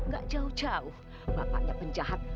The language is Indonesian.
gak jauh jauh bapaknya penjahat